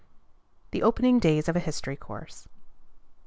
THE OPENING DAYS OF A HISTORY COURSE.